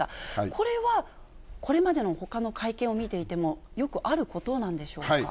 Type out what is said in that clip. これは、これまでのほかの会見を見ていても、よくあることなんでしょうか。